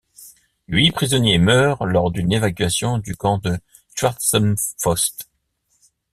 Huit prisonniers meurent lors d'une évacuation du camp de Schwarzenpfost.